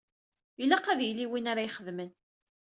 Ilaq ad yili win ara t-ixedmen.